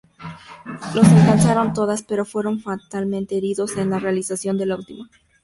Las alcanzaron todas, pero fueron fatalmente heridos en la realización de la última.